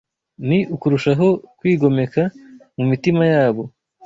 ni ukurushaho kwigomeka mu mitima yabo